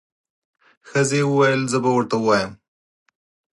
ښځې وويل زه به ورته ووایم.